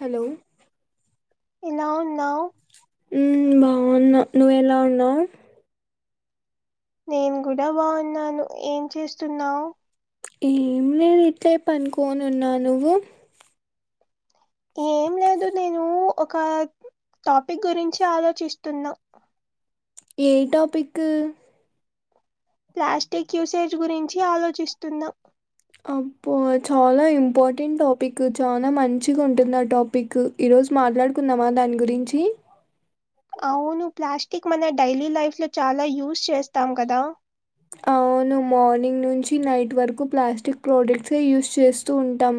Hello ఎలా ఉన్నావ్ ఉమ్ బాగున్నా నువ్వు ఎలా ఉన్నావ్ నేను కూడా బాగున్నాను ఏం చేస్తున్నావు ఏమి లేదు ఇట్లే పనుకోనీ ఉన్నా నువ్వు ఏం లేదు నేను ఒక టాపిక్ గురించి ఆలోచిస్తున్నా ఏ టాపిక్ ప్లాస్టిక్ యూసేజ్ గురించి ఆలోచిస్తున్నా అబ్బో చాలా ఇంపార్టెంట్ టాపిక్ చాలా మంచిగా ఉంటుంది ఆ టాపిక్ ఈ రోజు మాట్లాడుకుందామా దాని గురించి అవును ప్లాస్టిక్ మన డైలీ లైఫ్ లో చాలా యూస్ చేస్తాం కదా అవును మార్నింగ్ నుంచి నైట్ వరకు ప్లాస్టిక్ ప్రోడక్ట్సే యూస్ చేస్తూ ఉంటాం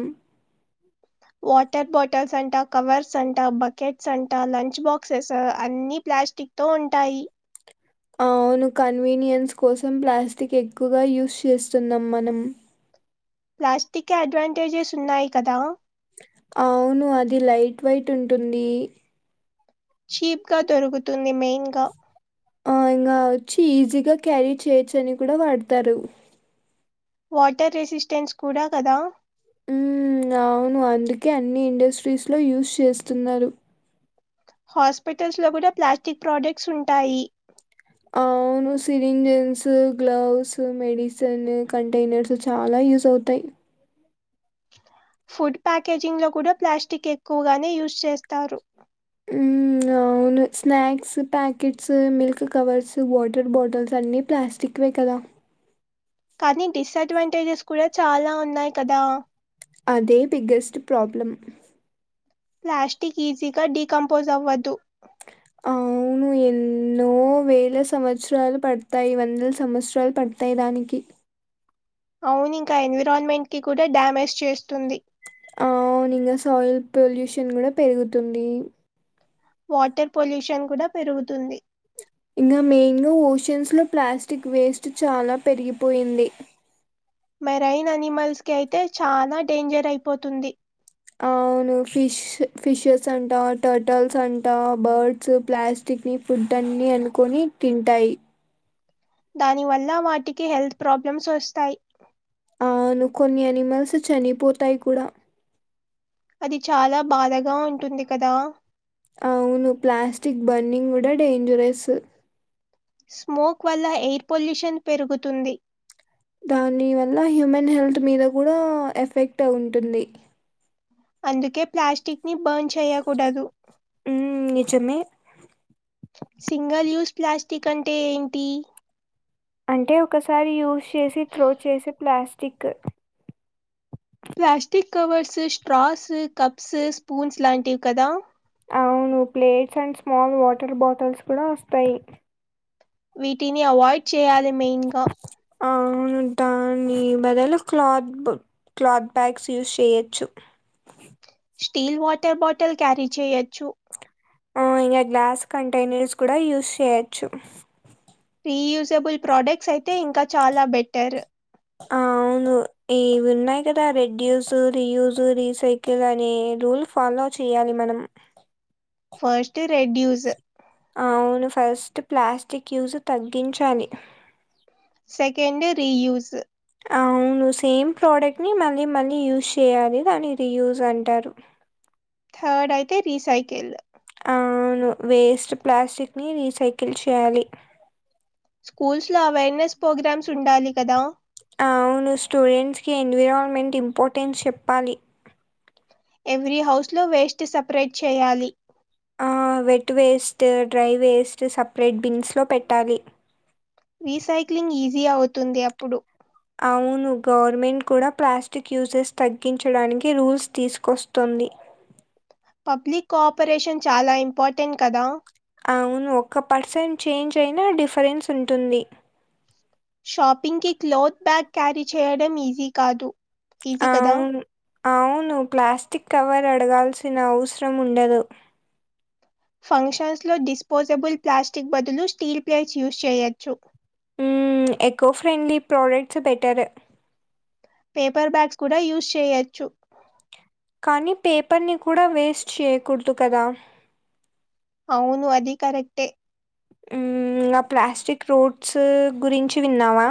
వాటర్ బాటిల్స్ అంట కవర్స్ అంట బకెట్స్ అంట లంచ్ బాక్సెస్ అన్ని ప్లాస్టిక్ తో ఉంటాయి అవును కన్వీనియన్స్ కోసం ప్లాస్టిక్ ఎక్కువగా యూస్ చేస్తున్నాం మనం ప్లాస్టిక్ అడ్వాంటేజెస్ ఉన్నాయి కదా అవును అది లైట్ వైట్ ఉంటుంది చీప్ గా దొరుకుతుంది మెయిన్ గా ఆ ఇంకా వచ్చి ఈజీగా క్యారీ చేయొచ్చు అని కూడా వాడతారు వాటర్ రెసిస్టెన్స్ కూడా కదా ఉమ్మ్ అవును అందుకే అన్ని ఇండస్ట్రీస్లో యూస్ చేస్తున్నారు హాస్పిటల్స్ లో కూడా ప్లాస్టిక్ ప్రోడక్ట్స్ ఉంటాయి అవు ను సిరింజన్స్ గ్లవ్స్ మెడిసిన్ కంటైనర్స్ చాలా యూస్ అవుతాయి ఫుడ్ ప్యాకేజింగ్ లో కూడా ప్లాస్టిక్ ఎక్కువగానే యూస్ చేస్తారు ఉమ్ అవు ను snacks packets milk covers water bottles అన్నీ ప్లాస్టిక్వే కదా కానీ డిస్డ్వాంటేజెస్ కూడా చాలా ఉన్నాయి కదా అదే బిగ్గెస్ట్ ప్రాబ్లమ్ ప్లాస్టిక్ ఈజీగా డికంపోజ్ అవ్వద్దు ఆ అవును ఎన్నో వేల సంవత్సరాలు పడతాయి వందల సంవత్సరాలు పడతాయి దానికి అవును ఇంకా ఎన్విరాన్మెంట్ కి కూడా డ్యామేజ్ చేస్తుంది అవును ఇంక సాయిల్ పొల్యూషన్ కూడా పెరుగుతుంది వాటర్ పొల్యూషన్ కూడా పెరుగుతుంది ఇంగ మెయిన్గా ఓషన్స్ లో ప్లాస్టిక్ వేస్ట్ చాలా పెరిగిపోయింది మెరైన్ అనిమల్స్ కి అయితే చాలా డేంజర్ అయిపోతుంది అవును ఫిష్ ఫిషెస్ అంటా టర్టల్స్ అంటా బర్డ్స్ ప్లాస్ స్టిక్నీ ఫుడ్ అన్ని అనుకొని తింటాయి దాని వల్ల వాటికి హెల్త్ ప్రాబ్లమ్స్ వస్తాయి అవును కొన్ని యానిమల్స్ చనిపోతాయి కూడా అది చాలా బాధగా ఉంటుంది కదా అవును ప్లాస్టిక్ బర్నింగ్ కూడా డేంజరస్ స్మోక్ వల్ల ఎయిర్ పొల్యూషన్ పెరుగుతుంది దాని వల్ల హ్యూమన్ హెల్త్ మీద కూడా ఎఫెక్ట్ ఉంటుంది అందుకే ప్లాస్టిక్ని బర్న్ చేయ్యకూడదు నిజమే సింగల్ యూస్ ప్లాస్టిక్ అంటే ఏంటి అంటే ఒకసారి యూజ్ చేసి త్రో చేసే plastic plastic covers straws cups spoons లాంటివి కదా అవును plates and small water bottles కూడా వస్తాయి వీటిని అవాయిడ్ చేయాలి మెయిన్ గా అవును దాని బదులు క్లాత్ క్లాత్ బ్యాగ్స్ యూస్ చేయొచ్చు స్టీల్ వాటర్ బాటిల్ క్యారీ చేయొచ్చు ఆ ఇంకా గ్లాస్ కంటైనర్స్ కూడా యూస్ చేయొచ్చు రీయూజబుల్ ప్రోడక్ట్స్ అయితే ఇంకా చాలా బెటర్ ఆ ను ఇవి ఉన్నాయి కదా రెడ్యూస్ రియూజ రీసైకిల్ అనే రూల్ ఫాలో చేయాలి మనం ఫస్ట్ రెడ్యూస్ అవును ఫస్ట్ ప్లాస్టిక్ యూజ్ తగ్గించాలి సెకండ్ రీయూస్ అవును సేమ్ ప్రోడక్ట్ని మళ్ళీ మళ్ళీ యూజ్ చేయాలి దాన్ని రియూజ్ అంటారు థర్డ్ అయితే రీసైకిల్ ఆ ను వేస్ట్ ప్లాస్టిక్ని రీసైకిల్ చేయాలి స్కూల్స్ లో అవేర్నెస్ ప్రోగ్రామ్స్ ఉండాలి కదా అవును స్టూడెంట్స్ కి ఎన్విరాల్మెంట్ ఇంపార్టెన్స్ చెప్పాలి ఎవ్రీ హౌస్ లో వేస్ట్ సపరేట్ చేయాలి wet waste dry waste separate బిన్స్లో పెట్టాలి రీసైక్లింగ్ ఈజీ అవుతుంది అప్పుడు అవును గవర్నమెంట్ కూడా ప్లాస్టిక్ యూజెస్ తగ్గించడానికి రూల్స్ తీసుకొస్తుంది పబ్లిక్ కోఆపరేషన్ చాలా ఇంపార్టెంట్ కదా అవును ఒక్క పర్సెంట్ చేంజ్ అయినా డిఫరెన్స్ ఉంటుంది షాపింగ్కి క్లోత్ బ్యాగ్ క్యారీ చేయడం ఈజీ కాదు ఈజీ కదా అవును అవును ప్లాస్టిక్ కవర్ అడగాల్సిన అవసరం ఉండదు ఫంక్షన్స్లో డిస్పోజబుల్ ప్లాస్టిక్ బదులు స్టీల్ ప్లేట్స్ యూస్చేయొచ్చు మ్ eco friendly products better paper bags కూడా యూజ్ చేయొచ్చు కానీ పేపర్ని కూడా వేస్ట్ చేయకూడదు కదా అవును అది కరెక్టే మ్ ఆ ప్లాస్టిక్ రోడ్స్ గురించి విన్నావా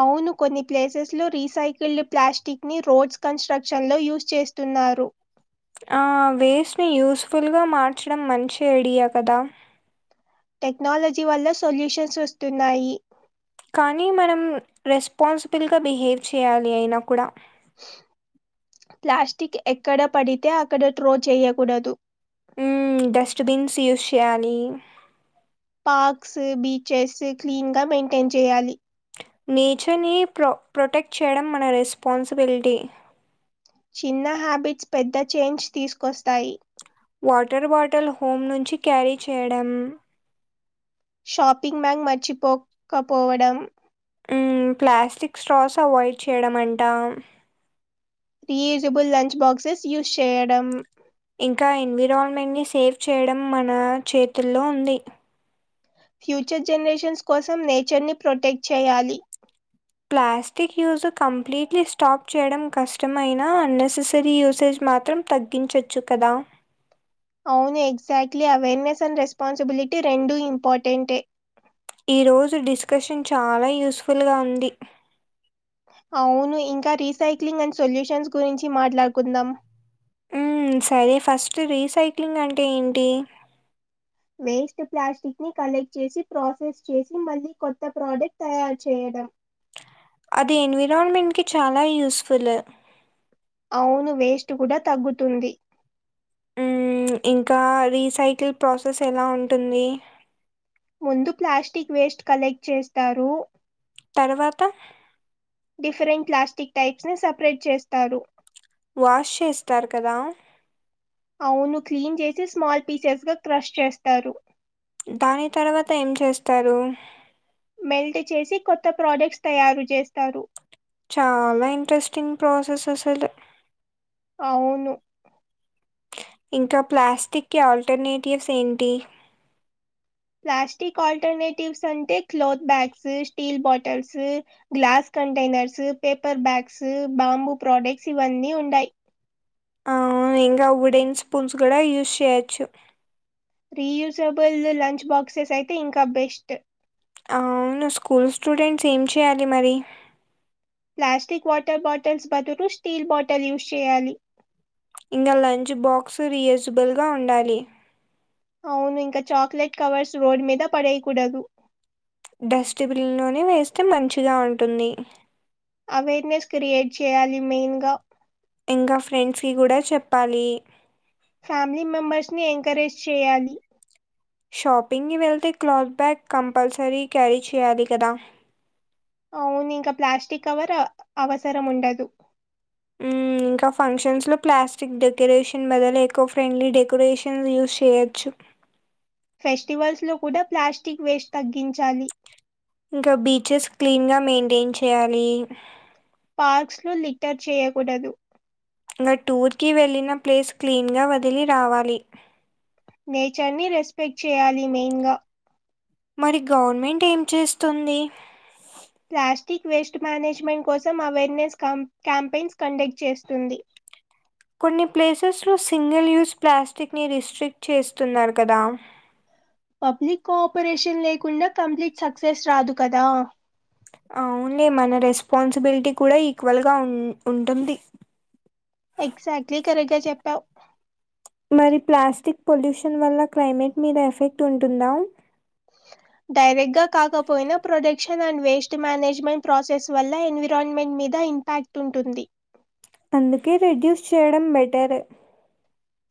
అవును కొన్ని ప్లేసెస్లో రీసైకిల్డ్ ప్లాస్టిక్ని రోడ్స్ కన్స్ట్రక్షన్లో యూస్చేస్తున్నారు ఆ వేస్ట్ని యూస్ ఫుల్ గా మార్చడం మంచి ఐడియా కదా టెక్నాలజీ వల్ల సొల్యూషన్స్ వస్తున్నాయి కానీ మనం రెస్పాన్సిబుల్గా బిహేవ్ చేయాలి అయినా కూడా ప్లాస్టిక్ ఎక్కడ పడితే అక్కడ ట్రో చేయకూడదు హు డస్ట్బిన్స్ యూస్ చేయాలి పార్క్స్ బీచెస్ క్లీన్ గా మెయింటైన్ చేయాలి నేచర్ని ప్ర ప్రొటెక్ట్ చేయడం మన రెస్పాన్సిబిలిటీ చిన్న హ్యాబిట్స్ పెద్ద చేంజ్ తీసుకొస్తాయి వాటర్ బాటిల్ హోమ్ నుంచి క్యారీ చేయడం షాపింగ్ బ్యాగ్ మర్చిపోకపోవడం ఉమ్ ప్లాస్టిక్ స్ట్రాస్ అవాయిడ్ చేయడం అంట రియూజిబుల్ లంచ్ బాక్సెస్ యూస్ చేయడం ఇంకా ఎన్విరాన్మెంట్ ని సేవ్ చేయడం మన చేతుల్లో ఉంది ఫ్యూచర్ జనరేషన్స్ కోసం నేచర్ ని ప్రొటెక్ట్ చేయాలి ప్లాస్టిక్ యూజ్ కంప్లీట్లీ స్టాప్ చేయడం కష్టమైనా అన్నెసెసరీ యూసేజ్ మాత్రం తగ్గి తగ్గించవచ్చు కదా అవును ఎగ్జాక్ట్లీ అవేర్నెస్ అండ్ రెస్పాన్సిబిలిటీ రెండూ ఇంపార్టెంట్టే ఈ రోజు డిస్కషన్ చాలా యూస్ఫుల్గా ఉంది అవును ఇంకా రీసైక్లింగ్ అండ్ సొల్యూషన్స్ గురించి మాట్లాడుకుందాం సరే ఫస్ట్ రీసైక్లింగ్ అంటే ఏంటి వేస్ట్ ప్లాస్టిక్ ని కలెక్ట్ చేసి ప్రాసెస్ చేసి మళ్ళీ కొత్త ప్రోడక్ట్ తయారు చేయడం అది ఎన్విరాన్మెంట్కి చాలా యూస్ఫుల్ అవును వేస్ట్ కూడా తగ్గుతుంది మ్మ్, ఇంకా రీసైకిల్ ప్రాసెస్ ఎలా ఉంటుంది ముందు ప్లాస్టిక్ వేస్ట్ కలెక్ట్ చేస్తారు తర్వాత డిఫరెంట్ ప్లాస్టిక్ టైప్స్ ని సపరేట్ చేస్తారు వాష్ చేస్తారు కదా అవును క్లీన్ చేసి స్మాల్ పీసెస్ గా క్రష్ చేస్తారు దాని తర్వాత ఏం చేస్తారు మెల్ట్ చేసి కొత్త ప్రొడక్ట్స్ తయారు చేస్తారు చాలా ఇంట్రెస్టింగ్ ప్రాసెస్ అసలు అవును ఇంకా ప్లాస్టిక్కి ఆల్టర్నేటివ్స్ ఏంటి ప్లాస్టిక్ ఆల్టర్నేటివ్స్ అంటే cloth bags steel bottles glass containers paper bags bamboo products ఇవన్నీ ఉంటాయి ఆ ఇంగా వుడెన్ స్పూన్స్ గూడా యూస్ చేయొచ్చు రీయూజబుల్ లంచ్ బాక్సెస్ అయితే ఇంకా బెస్ట్ అవును స్కూల్ స్టూడెంట్స్ ఏం చేయాలి మరి ప్లాస్టిక్ వాటర్ బాటిల్స్ బదులు స్టీల్ బాటిల్ యూస్ చేయాలి ఇంకా లంచ్ బాక్స్ రియూజిబుల్గా ఉండాలి అవును ఇంకా చాక్లెట్ కవర్స్ రోడ్ మీద పడేయకూడదు డస్ట్బిన్లోనే వేస్తే మంచిగా ఉంటుంది అవేర్నెస్ క్రియేట్ చేయాలి మెయిన్ గా ఇంకా ఫ్రెండ్స్కి కూడా చెప్పాలి ఫ్యామిలీ మెంబర్స్ ని ఎంకరేజ్ చేయాలి. షాపింగి వెళ్తే క్లాత్ బ్యాగ్ కంపల్సరీ క్యారీ చేయాలి కదా. అవును ఇంకా ప్లాస్టిక్ కవర అవసరం ఉండదు. మ్మ్, ఇంకా ఫంక్షన్స్ లో ప్లాస్టిక్ డెకరేషన్ బదలు ఎకో ఫ్రెండ్లీ డెకొరేషన్ యూస్ చేయొచ్చు. ఫెస్టివల్స్ లో కూడా ప్లాస్టిక్ వేస్ట్ తగ్గించాలి. ఇంకా బీచెస్ క్లీన్ గా మెయింటైన్ చేయాలి. పార్క్స్ లో లిటర్ చేయకూడదు. ఇంగా టూర్కి వెళ్ళిన ప్లేస్ క్లీన్గా వదిలి రావాలి. నేచర్ ని రెస్పెక్ట్ చేయాలి మెయిన్ గా. మరి గవర్నమెంట్ ఏం చేస్తుంది? ప్లాస్టిక్ వేస్ట్ మేనేజ్మెంట్ కోసం అవేర్నెస్ కం క్యాంపెయిన్స్ కండక్ట్ చేస్తుంది. కొన్ని ప్లేసెస్లో సింగిల్ యూస్ ప్లాస్టిక్ ని రిస్ట్రిక్ట్ చేస్తున్నారు కదా. పబ్లిక్ కోఆపరేషన్ లేకుండా కంప్లీట్ సక్సెస్ రాదు కదా. ఆ ఓన్లీ మన రెస్పాన్సిబిలిటీ కూడా ఈక్వల్ గా ఉమ ఉంటుంది ఎగ్జాక్ట్లీ కరెక్ట్గా చెప్పావు మరి ప్లాస్టిక్ పొల్యూషన్ వల్ల క్లైమేట్ మీద ఎఫెక్ట్ ఉంటుందా? డైరెక్ట్ గ కాకపోయినా production and waste management process వల్ల ఎన్విరాన్మెంట్ మీద ఇంపాక్ట్ తుంటుంది అందుకే రిడ్యూస్ చేయడం బెటరు.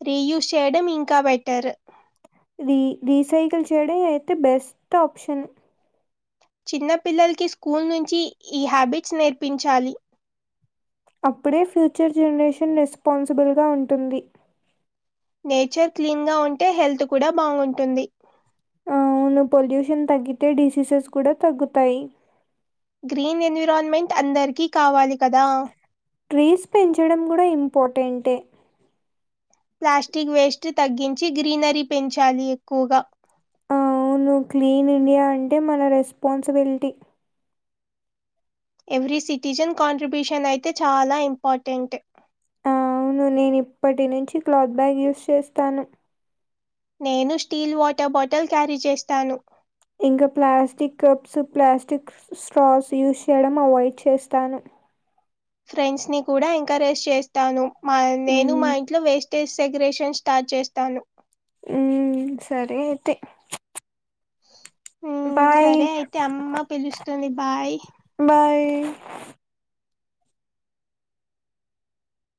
రీ యూస్ చేయడం ఇంకా బెటరు రీ రీసైకిల్ చేయడ అయితే బెస్ట్ ఆప్షన్ చిన్న పిల్లల్కి స్కూల్ నుంచి ఈ హ్యాబిట్స్ నేర్పించాలి. అప్పుడే ఫ్యూచర్ జనరేషన్ రెస్పాన్సిబుల్గా ఉంటుంది. నేచర్ క్లీన్ గా ఉంటే హెల్త్ కూడా బాగుంటుంది. ముందు పొల్యూషన్ తగ్గితే డిసీజెస్ కూడా తగ్గుతాయి. గ్రీన్ ఎన్విరాన్మెంట్ అందరికీ కావాలి కదా. ట్రీస్ పెంచడం గుడ ఇంపార్టెంటే ప్లాస్టిక్ వేస్ట్ తగ్గించి గ్రీనరీ పెంచాలి ఎక్కువగా వును క్లీన్ ఇండియా అంటే మన రెస్పాన్సిబిలిటీ ఎవ్రీ సిటిజన్ కాంట్రిబ్యూషన్ అయితే చాలా ఇంపార్టెంటె వును నేను ఇప్పటి నుంచి క్లాత్ బ్యాగ్ యూస్ చేస్తాను. నేను స్టీల్ వాటల్ బాటల్ క్యారీ చేస్తాను. ఇంకా plastic cups, plastic straws use చేయడం అవాయిడ్ చేస్తాను. ఫ్రెండ్స్ ని కూడా ఎంకరేజ్ చేస్తాను, మా నేను మా హ్మ్. ఇంట్లో వేస్ట్ స్టేజ్ సెగరేషన్ స్టార్ట్ చేస్తాను. ఉమ్ సరే అయితే ఉమ్ బాయ్. సరే అయితే అమ్మ పిలుస్తుంది బాయ్ బాయి